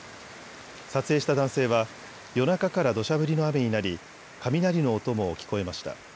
撮影した男性は夜中からどしゃ降りの雨になり雷の音も聞こえました。